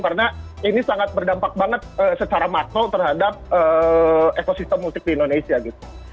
karena ini sangat berdampak banget secara makro terhadap ekosistem musik di indonesia gitu